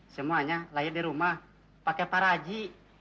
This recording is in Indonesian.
semuanya lahir di rumah pakai paraji